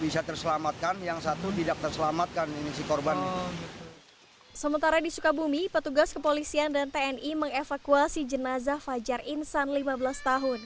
sementara di sukabumi petugas kepolisian dan tni mengevakuasi jenazah fajar insan lima belas tahun